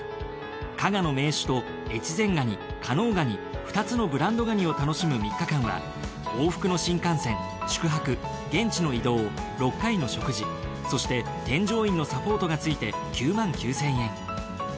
加賀の銘酒と越前ガニ・加能ガニ２つのブランドガニを楽しむ３日間は往復の新幹線宿泊現地の移動６回の食事そして添乗員のサポートがついて９９，０００円。